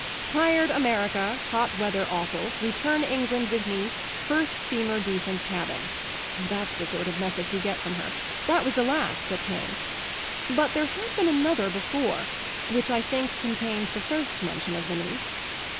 'Tired America, hot weather awful, return England with niece, first steamer decent cabin.' That's the sort of message we get from her that was the last that came. But there had been another before, which I think contained the first mention of the niece.